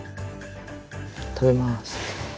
食べます。